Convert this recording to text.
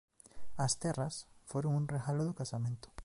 As terras foron un regalo do casamento.